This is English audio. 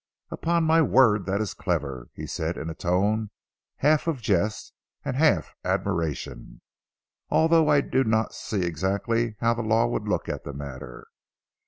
"Upon my word that is clever," he said in a tone half of jest and half admiration, "although I do not exactly see how the law would look at the matter.